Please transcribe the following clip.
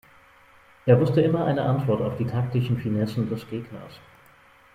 Er wusste immer eine Antwort auf die taktischen Finessen des Gegners.